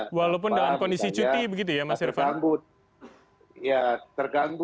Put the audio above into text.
kalau kondisi cuti begitu ya mas irfan